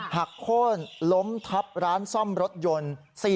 โค้นล้มทับร้านซ่อมรถยนต์